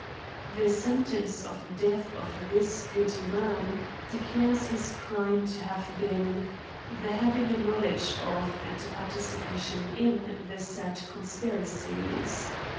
The sentence of death of this .s^ood man, declares his crime to have been :" The having a knowledge of^ and a participation in, the said conspiracies.